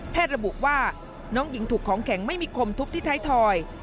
ระบุว่าน้องหญิงถูกของแข็งไม่มีคมทุบที่ไทยทอย